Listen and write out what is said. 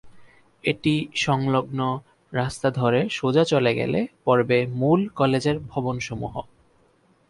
এটি সংলগ্ন রাস্তা ধরে সোজা চলে গেলে পড়বে মূল কলেজের ভবন সমূহ।